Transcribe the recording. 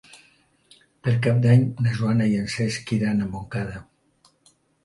Per Cap d'Any na Joana i en Cesc iran a Montcada.